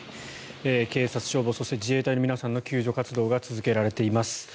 警察、消防、そして自衛隊の皆さんの救助活動が続けられています。